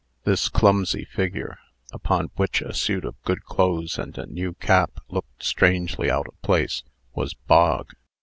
This clumsy figure, upon which a suit of good clothes and a new cap looked strangely out of place, was Bog.